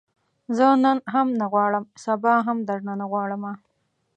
زه نن هم نه غواړم، سبا هم درنه نه غواړمه